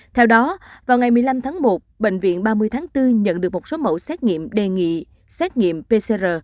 theo đó vào ngày một mươi năm tháng một bệnh viện ba mươi tháng bốn nhận được một số mẫu xét nghiệm đề nghị xét nghiệm pcr